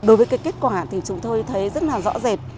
đối với kết quả thì chúng tôi thấy rất rõ rệt